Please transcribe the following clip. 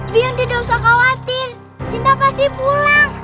biar tidak usah khawatir sinta pasti pulang